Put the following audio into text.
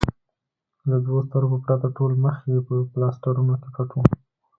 له دوو سترګو پرته ټول مخ یې په پلاسټرونو کې پټ و.